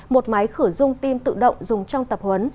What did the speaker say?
một máy khử dung tự động dùng trong tập huấn